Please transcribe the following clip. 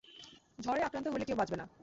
ঝড়ে আক্রান্ত হলে কেউ বাঁচবে না!